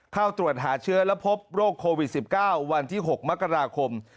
เข้าตรวจหาเชื้อและพบโรคโควิด๑๙วันที่๖มกราคม